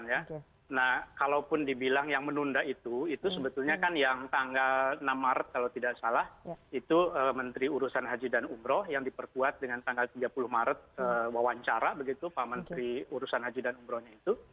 nah kalaupun dibilang yang menunda itu itu sebetulnya kan yang tanggal enam maret kalau tidak salah itu menteri urusan haji dan umroh yang diperkuat dengan tanggal tiga puluh maret wawancara begitu pak menteri urusan haji dan umrohnya itu